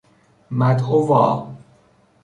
مدعوآ